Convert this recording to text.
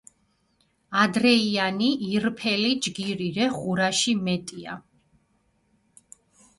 ადრეიანი ირფელი ჯგირი რე ღურაში მეტია.